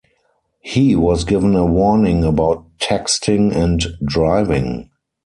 He was given a warning about texting and driving.